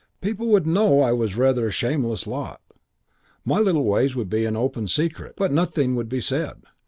People would know I was rather a shameless lot, my little ways would be an open secret, but nothing would be said.